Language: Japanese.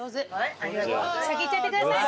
先いっちゃってください。